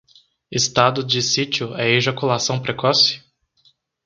Estado de sítio é ejaculação precoce?